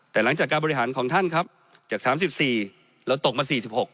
แต่หลังจากการบริหารของท่านครับจาก๓๔เราตกมา๔๖